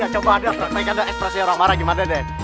coba ada ekspresi orang marah gimana deh